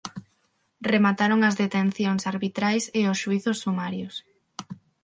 Remataron as detencións arbitrais e os xuízos sumarios.